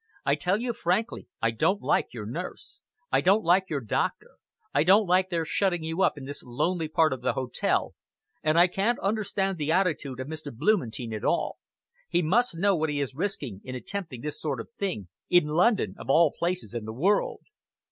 I tell you frankly, I don't like your nurse. I don't like your doctor, I don't like their shutting you up in this lonely part of the hotel, and I can't understand the attitude of Mr. Blumentein at all. He must know what he is risking in attempting this sort of thing, in London of all places in the world."